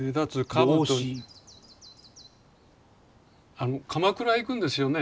あの鎌倉行くんですよね？